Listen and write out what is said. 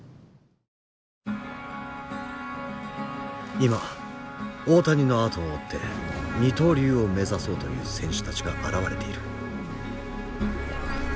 今大谷のあとを追って二刀流を目指そうという選手たちが現れている。